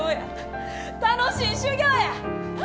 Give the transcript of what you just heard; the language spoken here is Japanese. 楽しい修業や！